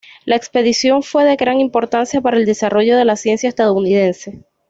La expedición fue de gran importancia para el desarrollo de la ciencia estadounidense.